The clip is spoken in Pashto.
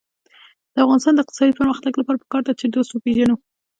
د افغانستان د اقتصادي پرمختګ لپاره پکار ده چې دوست وپېژنو.